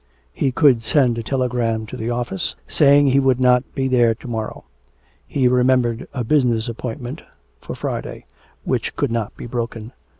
He could send a telegram to the office, saying he would not be there to morrow; he remembered a business appointment for Friday, which could not be broken.